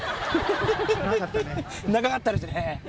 長かったですね